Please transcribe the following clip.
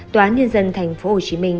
tòa án nhân dân thành phố hồ chí minh